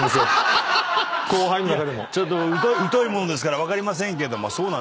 ちょっと疎いものですから分かりませんがそうなんですね。